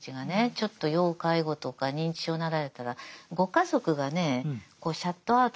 ちょっと要介護とか認知症になられたらご家族がねこうシャットアウトなさるんですよね。